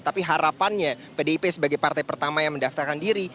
tapi harapannya pdip sebagai partai pertama yang mendaftarkan diri